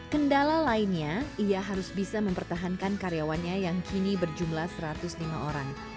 kendala lainnya ia harus bisa mempertahankan karyawannya yang kini berjumlah satu ratus lima orang